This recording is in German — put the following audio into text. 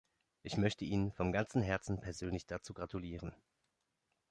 Ich möchte Ihnen von ganzem Herzen persönlich dazu gratulieren!